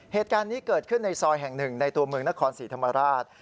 เหตุการณ์นี้เกิดขึ้นในซอยแห่งหนึ่งในตัวเมืองนครศรีธรรมราช